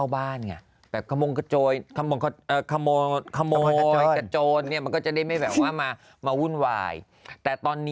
โอ้ยนะที่ไม่ต้องถึงขนาดหมากัสหรอก